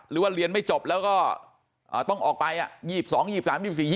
หรือว่าเรียนไม่จบแล้วก็ต้องออกไป๒๒๒๓๒๔๒๕เนี่ย